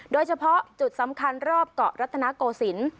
โดยเฉพาะจุดสำคัญรอบเกาะรัฐนาโกศิลป์